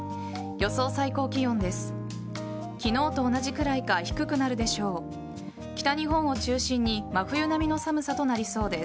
予想最高気温です。